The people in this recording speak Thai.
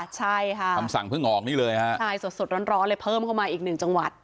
ใช่ค่ะคำสั่งเพิ่งออกนี่เลยฮะใช่สดสดร้อนเลยเพิ่มเข้ามาอีกหนึ่งจังหวัด